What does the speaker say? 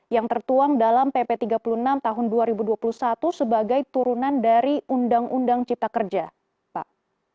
yang tertuang dalam pp tiga puluh enam tahun dua ribu dua puluh satu sebagai turunan dari undang undang cipta kerja pak